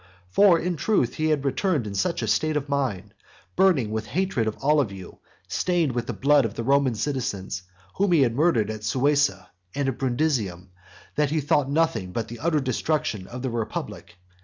For, in truth, he returned in such a state of mind, burning with hatred of you all, stained with the blood of the Roman citizens, whom he had murdered at Suessa and at Brundusium, that he thought of nothing but the utter destruction of the republic.